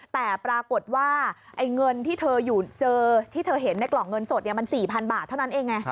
แต่ปรากฏว่าเงินที่เธอเห็นในกล่องเงินสดมัน๔๐๐๐บาทเท่านั้นเอง